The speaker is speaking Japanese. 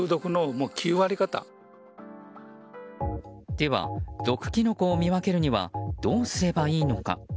では、毒キノコを見分けるにはどうすればいいのか。